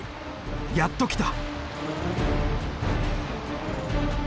やっと来た。